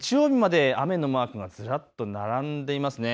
日曜日まで雨のマークがずらっと並んでいます。